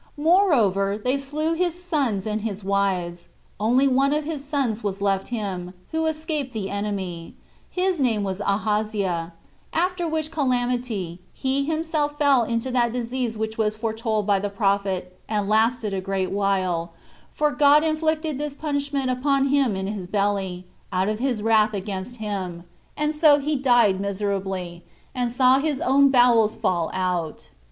Moreover, they slew his sons and his wives: one only of his sons was left him, who escaped the enemy; his name was Ahaziah; after which calamity, he himself fell into that disease which was foretold by the prophet, and lasted a great while, [for God inflicted this punishment upon him in his belly, out of his wrath against him,] and so he died miserably, and saw his own bowels fall out.